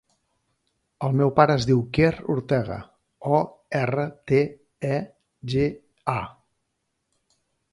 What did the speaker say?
El meu pare es diu Quer Ortega: o, erra, te, e, ge, a.